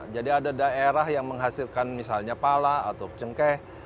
jadi ada daerah yang menghasilkan misalnya pala atau cengkeh